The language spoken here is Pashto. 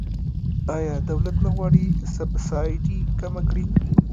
آیا دولت نه غواړي سبسایډي کمه کړي؟